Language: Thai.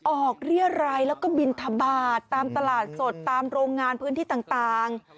ออกเรียรัยแล้วก็บินทบาทตามตลาดสดตามโรงงานพื้นที่ต่าง